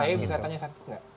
saya bisa tanya satu